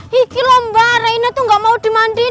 gigi lomba reina tuh gak mau dimandiin